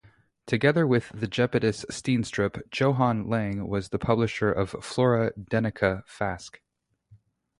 Together with Japetus Steenstrup, Johan Lange was the publisher of Flora Danica fasc.